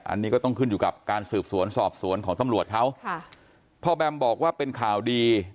อันนี้ก็ต้องขึ้นอยู่กับการสืบสวนสอบสวนของตำรวจเขาค่ะพ่อแบมบอกว่าเป็นข่าวดี